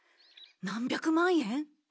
何百万円？